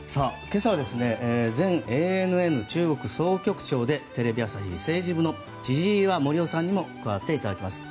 今朝は、前ＡＮＮ中国総局長でテレビ朝日政治部の千々岩森生さんにも加わっていただきます。